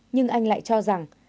nhưng anh lại cho rằng